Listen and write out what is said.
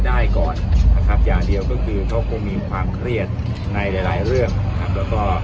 ได้ก่อนนะครับอย่างเดียวก็คือเขาคงมีความเครียดในหลายหลายเรื่องนะครับแล้วก็